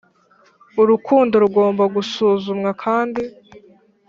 Urukundo rugomba gusuzumwa kandi